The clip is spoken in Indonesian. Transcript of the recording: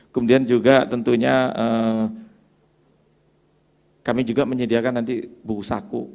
kemudian juga tentunya kami juga menyediakan nanti buku saku